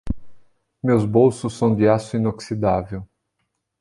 Meus bolsos são de aço inoxidável.